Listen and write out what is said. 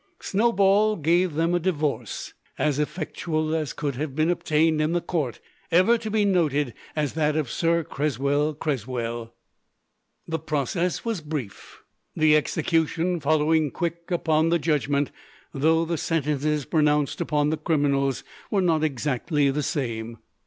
Snowball gave them a divorce, as effectual as could have been obtained in the court, ever to be noted as that of Sir Cresswell Cresswell. The process was brief, the execution following quick upon the judgment; though the sentences pronounced upon the criminals were not exactly the same.